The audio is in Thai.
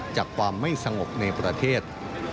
จากความไม่สงบในประเทศ